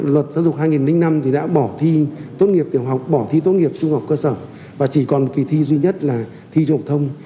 luật giáo dục hai nghìn năm đã bỏ thi tốt nghiệp tiểu học bỏ thi tốt nghiệp trung học cơ sở và chỉ còn kỳ thi duy nhất là thi trung học thông